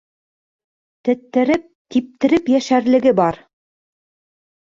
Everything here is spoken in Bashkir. Теттереп, типтереп йәшәрлеге бар!